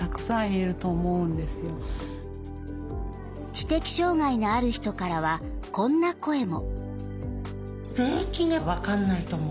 知的障害のある人からはこんな声も。